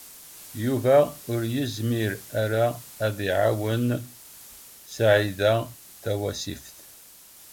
Yuba ur yezmir ara ad iɛawen Saɛida Tawasift.